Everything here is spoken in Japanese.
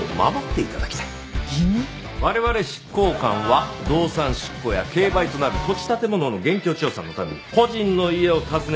我々執行官は動産執行や競売となる土地建物の現況調査のために個人の家を訪ねる事が多くある。